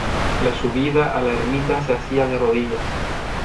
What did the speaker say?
La subida a la ermita se hacía de rodillas.